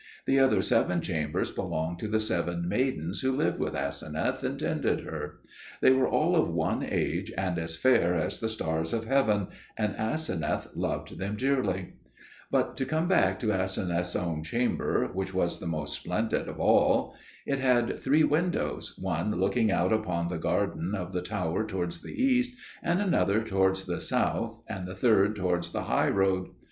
The other seven chambers belonged to the seven maidens who lived with Aseneth and tended her. They were all of one age, and as fair as the stars of heaven, and Aseneth loved them dearly. But to come back to Aseneth's own chamber, which was the most splendid of all. It had three windows, one looking out upon the garden of the tower towards the east, and another towards the south, and the third towards the high road.